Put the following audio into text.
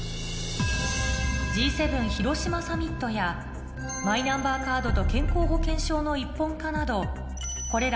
Ｇ７広島サミットやマイナンバーカードと健康保険証の一本化などこれら